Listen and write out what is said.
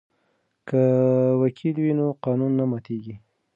که وکیل وي نو قانون نه ماتیږي.